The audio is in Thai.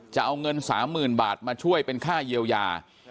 จะเอาเงิน๓๐๐๐บาทมาช่วยเป็นค่าเยียวยา